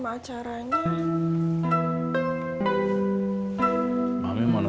akang pergi dulu